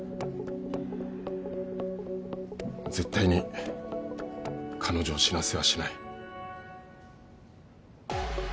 絶対に彼女を死なせはしない。